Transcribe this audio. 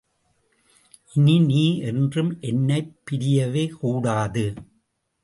இனி நீ என்றும் என்னைப் பிரியவேகூடாது!